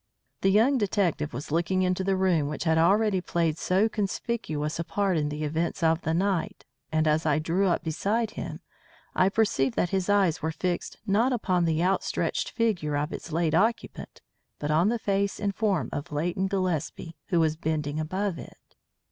The young detective was looking into the room which had already played so conspicuous a part in the events of the night, and as I drew up beside him, I perceived that his eyes were fixed not upon the out stretched figure of its late occupant, but on the face and form of Leighton Gillespie, who was bending above it.